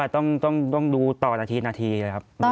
ต้องดูต่อนาทีนาทีเลยครับ